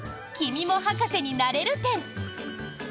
「君も博士になれる展」。